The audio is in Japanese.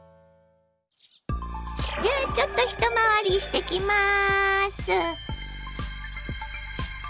じゃあちょっと一回りしてきます。